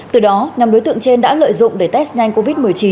từ đó nhóm đối tượng trên đã lợi dụng để test nhanh covid một mươi chín